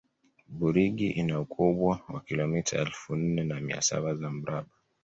burigi ina ukubwa wa kilomita elfu nne na mia saba za mraba